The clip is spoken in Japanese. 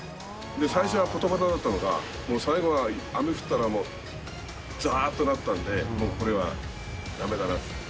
最初はぽたぽただったのが、もう最後は雨降ったら、もうざーっとなったんで、もうこれはだめだなと。